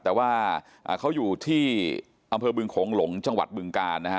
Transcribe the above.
แต่ว่าเขาอยู่ที่อำเภอบึงโขงหลงจังหวัดบึงกาลนะฮะ